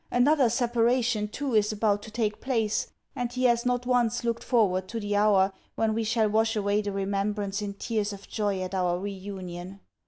Another separation too is about to take place, and he has not once looked forward to the hour, when we shall wash away the remembrance in tears of joy at our re union.